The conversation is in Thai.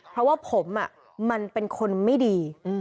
เพราะว่าผมมันเป็นคนไม่ดี